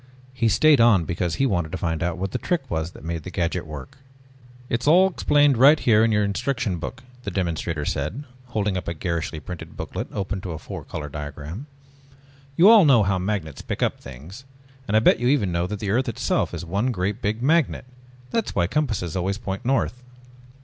He stayed on because he wanted to find out what the trick was that made the gadget work. "It's all explained right here in your instruction book," the demonstrator said, holding up a garishly printed booklet opened to a four color diagram. "You all know how magnets pick up things and I bet you even know that the earth itself is one great big magnet that's why compasses always point north.